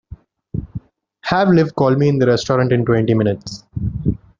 Have Liv call me in the restaurant in twenty minutes.